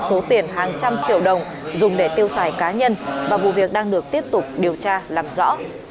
số tiền hàng trăm triệu đồng dùng để tiêu xài cá nhân và vụ việc đang được tiếp tục điều tra làm rõ